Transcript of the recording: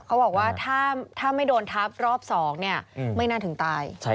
เขาบอกว่าถ้าไม่โดนทับรอบ๒ไม่น่าถึงตาย